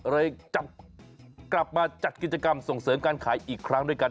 กลับมาจัดกิจกรรมส่งเสริมการขายอีกครั้งด้วยกัน